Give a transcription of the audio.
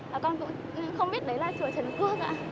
và con cũng không biết đấy là chùa trần quốc ở đâu